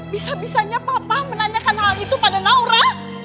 bisa bisanya papa menanyakan hal itu pada naura